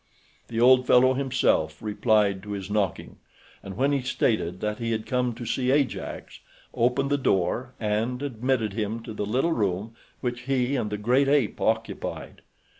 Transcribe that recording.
The old fellow himself replied to his knocking, and when he stated that he had come to see Ajax, opened the door and admitted him to the little room which he and the great ape occupied.